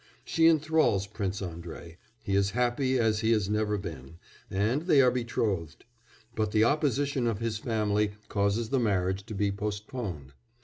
She enthrals Prince Andrei, he is happy as he has never been, and they are betrothed, but the opposition of his family causes the marriage to be postponed.